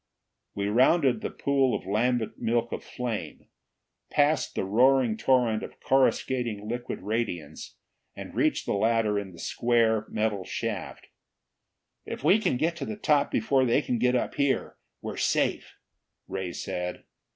We rounded the pool of lambent milk of flame, passed the roaring torrent of coruscating liquid radiance and reached the ladder in the square, metal shaft. "If we can get to the top before they can get up here, we're safe," Ray said.